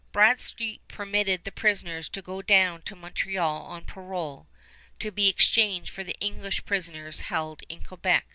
Bradstreet permitted the prisoners to go down to Montreal on parole, to be exchanged for English prisoners held in Quebec.